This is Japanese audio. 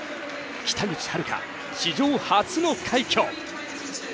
北口榛花、史上初の快挙。